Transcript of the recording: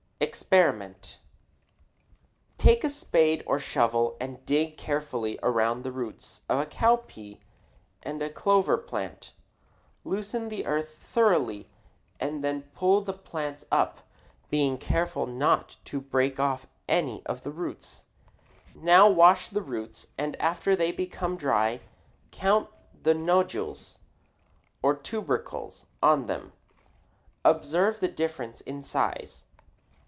=EXPERIMENT= Take a spade or shovel and dig carefully around the roots of a cowpea and a clover plant; loosen the earth thoroughly and then pull the plants up, being careful not to break off any of the roots. Now wash the roots, and after they become dry count the nodules, or tubercles, on them. Observe the difference in size.